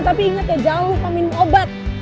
tapi inget ya jauh lupa minum obat